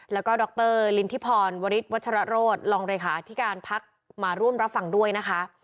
แล้วก็ดรลินทิพรวริชวัชรโรธรองเลขาที่การพักมาร่วมรับฟังด้วยนะคะ